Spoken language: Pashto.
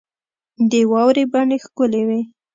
د واورې بڼې ښکلي وې.